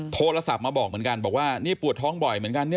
โทรศัพท์มาบอกเหมือนกันบอกว่านี่ปวดท้องบ่อยเหมือนกัน